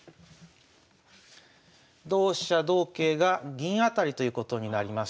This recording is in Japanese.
同飛車同桂が銀当たりということになります。